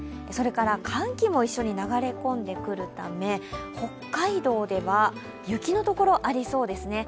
寒気も一緒に流れ込んで切るため北海道では雪のところがありそうですね。